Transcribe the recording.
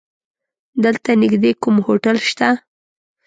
دلته نيږدې کوم هوټل شته؟